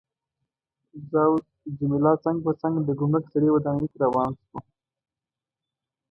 زه او جميله څنګ پر څنګ د ګمرک زړې ودانۍ ته روان شوو.